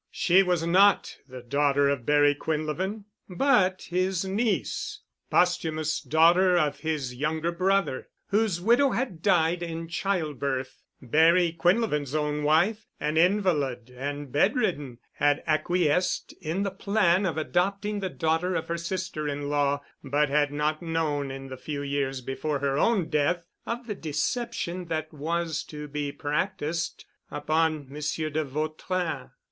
She was not the daughter of Barry Quinlevin, but his niece, posthumous daughter of his younger brother, whose widow had died in childbirth. Barry Quinlevin's own wife, an invalid and bedridden, had acquiesced in the plan of adopting the daughter of her sister in law, but had not known in the few years before her own death of the deception that was to be practiced upon Monsieur de Vautrin.